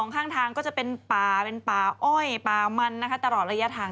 ๒ข้างทางก็จะเป็นปลาไปเป็นปลาอ้อยปลามันตลอดระยะทาง